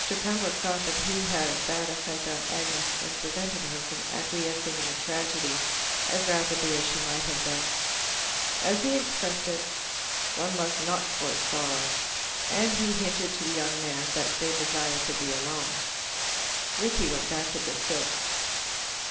Pembroke thought that he had a bad effect on Agnes, and prevented her from acquiescing in the tragedy as rapidly as she might have done. As he expressed it, "one must not court sorrow," and he hinted to the young man that they desired to be alone. Rickie went back to the Silts.